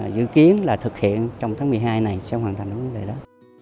dự kiến là thực hiện trong tháng một mươi hai này sẽ hoàn thành vấn đề đó